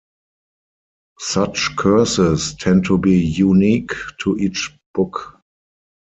Such curses tend to be unique to each book.